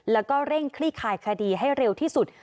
แล้วก็เร่งคลี่คลายคดีให้เร็วที่สุด